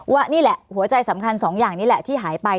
ว่านี่แหละหัวใจสำคัญสองอย่างนี้แหละที่หายไป